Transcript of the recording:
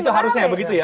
itu harusnya begitu ya